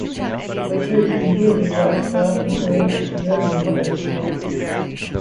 It was used in building work throughout the middle ages and early modern period.